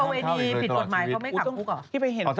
ทางทางพระเวณีผิดกฎหมายความไม่คำพีคลุกเอา